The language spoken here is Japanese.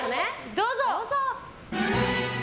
どうぞ。